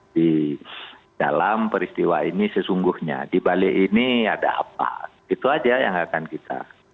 di dalam peristiwa ini sesungguhnya di balik ini ada apa itu aja yang akan kita